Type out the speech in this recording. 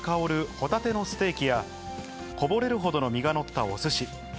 ホタテのステーキや、こぼれるほどの身が載ったおすし。